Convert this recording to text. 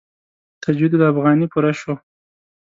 تجوید الافغاني پوره شو.